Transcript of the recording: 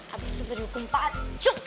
habis itu dihukum pancuk